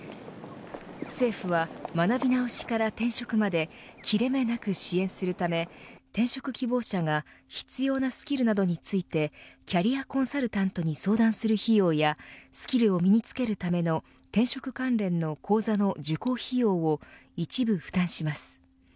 政府は学び直しから転職まで切れ目なく支援するため転職希望者が必要なスキルなどについてキャリアコンサルタントに相談する費用やスキルを身につけるための転職関連の講座受講費用を一部負担します。